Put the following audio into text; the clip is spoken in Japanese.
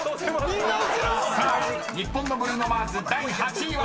［さあ日本のブルーノ・マーズ第８位は］